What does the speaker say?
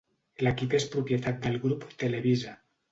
L'equip és propietat del grup Televisa.